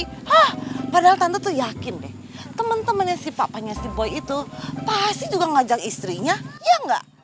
hah padahal tante tuh yakin deh temen temennya si papanya si boy itu pasti juga ngajak istrinya ya enggak